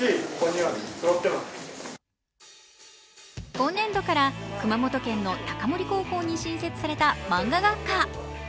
今年度から熊本県の高森高校に新設されたマンガ学科。